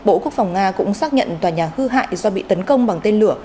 bộ quốc phòng nga cũng xác nhận tòa nhà hư hại do bị tấn công bằng tên lửa